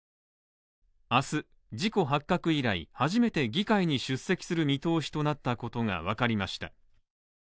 明日、事故発覚以来、初めて議会に出席する見通しとなったことがわかりました。